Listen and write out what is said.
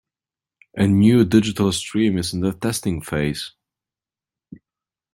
A new digital stream is in the testing phase.